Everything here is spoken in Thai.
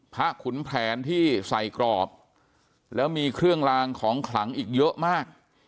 ขุนแผนที่ใส่กรอบแล้วมีเครื่องลางของขลังอีกเยอะมาก